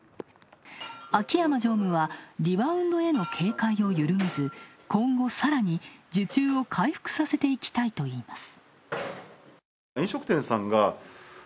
秋山常務はリバウンドへの警戒を緩めず今後さらに受注を回復させていきたいといいます。